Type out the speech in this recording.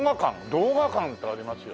「動画館」ってありますよ。